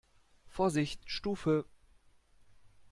Vorsicht Stufe!